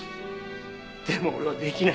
でも俺はできない。